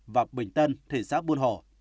và bình tân thị xã buôn hồ